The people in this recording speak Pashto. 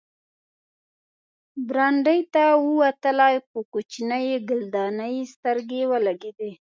برنډې ته ووتله، په کوچنۍ ګلدانۍ یې سترګې ولګېدې.